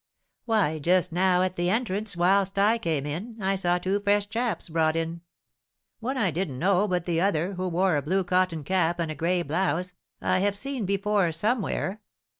"Why, just now at the entrance, whilst I came in, I saw two fresh chaps brought in; one I didn't know, but the other, who wore a blue cotton cap and a gray blouse, I have seen before somewhere.